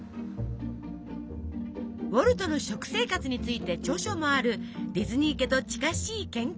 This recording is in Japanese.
ウォルトの食生活について著書もあるディズニー家と近しい研究者です。